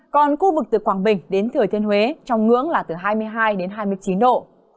còn khu vực từ quảng bình đến thừa thiên huế trong ngưỡng là từ hai mươi hai đến hai mươi chín độ